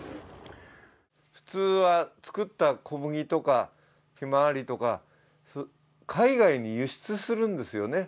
普通は作った小麦とかひまわりとか、海外に輸出するんですよね。